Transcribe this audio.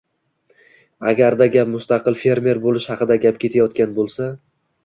agarda gap mustaqil fermer bo‘lish haqida ketayotgan bo‘lsa.